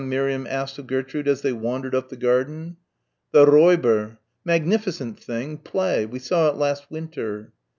Miriam asked of Gertrude as they wandered up the garden. "'The Räuber.' Magnificent thing. Play. We saw it last winter."